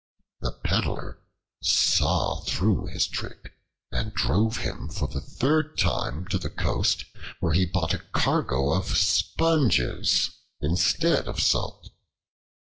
The Peddler saw through his trick and drove him for the third time to the coast, where he bought a cargo of sponges instead of salt.